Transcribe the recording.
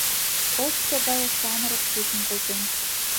Ожсо гае самырык чучын колтем.